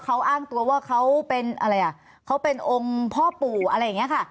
เขาอ้างตัวว่าเขาเป็นอะไรอ่ะเขาเป็นองค์พ่อปู่อะไรอย่างนี้ค่ะ